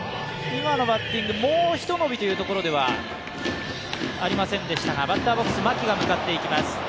今のバッティング、もうひと伸びというところではありませんでしたが、バッターボックス・牧が向かっていきます。